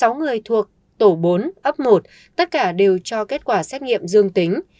sáu người thuộc tổ bốn ấp một tất cả đều cho kết quả xét nghiệm dương tính